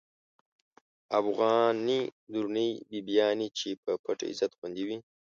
افغانی درنی بیبیانی، چی په پت عزت خوندی وی